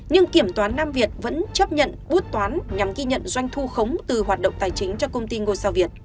nhưng kiểm toán nam việt vẫn chấp nhận bút toán nhằm ghi nhận doanh thu khống từ hoạt động tài chính cho công ty ngôi sao việt